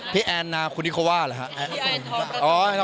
พี่แอนนาคูนิโคว่าหรือครับ